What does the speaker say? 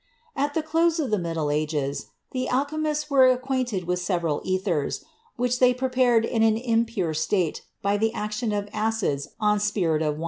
At the close of the Middle Ages, the alchemists were acquainted with several ethers, which they prepared in an impure state by the action of acids on spirit of wine.